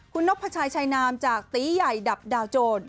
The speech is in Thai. คุณนพชัยชายนามจากตีใหญ่ดับดาวโจร